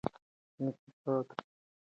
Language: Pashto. اقتصاد د باور پر بنسټ ولاړ دی.